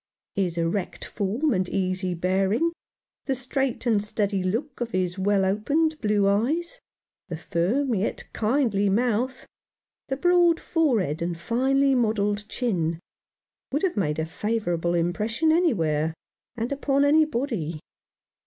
His erect form and easy bearing, the straight and steady look of his 176 Mr. Faunce's Record. well opened blue eyes, the firm yet kindly mouth, the broad forehead and finely modelled chin would have made a favourable impression anywhere and upon anybody.